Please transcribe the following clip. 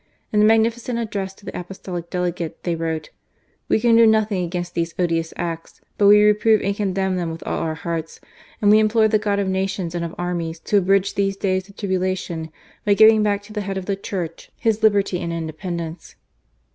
In a magnificent address to the Apostolic Delegate, they wrote :" We can do nothing against these odious acts, but we reprove and condemn them with all our hearts, and we implore the God of nations and of armies to abridge these days of tribulation by giving back to the Head of the Church his liberty and independence."